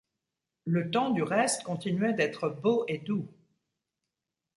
Le temps, du reste, continuait d’être beau et doux.